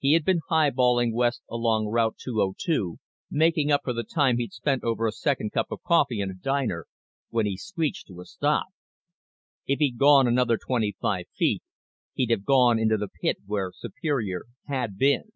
He had been highballing west along Route 202, making up for the time he'd spent over a second cup of coffee in a diner, when he screeched to a stop. If he'd gone another twenty five feet he'd have gone into the pit where Superior had been.